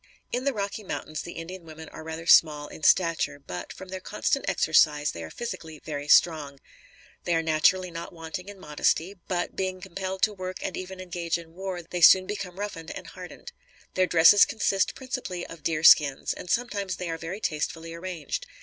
In the Rocky Mountains, the Indian women are rather small in stature, but, from their constant exercise they are physically very strong. They are naturally not wanting in modesty; but, being compelled to work and even engage in war, they soon become roughened and hardened. Their dresses consist principally of deer skins, and sometimes they are very tastefully arranged.